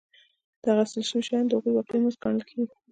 دغه اخیستل شوي شیان د هغوی واقعي مزد ګڼل کېږي